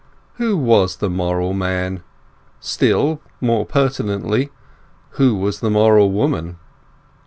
Who was the moral man? Still more pertinently, who was the moral woman?